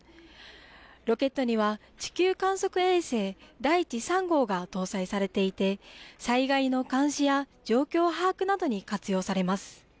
ロケットには、地球観測衛星、だいち３号が搭載されていて、災害の監視や、状況把握などに活用されます。